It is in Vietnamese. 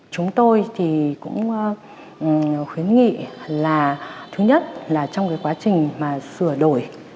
chúng tôi thì cũng khuyến nghị là thứ nhất là trong cái quá trình mà sửa đổi